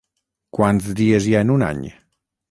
Quants dies hi ha en un any?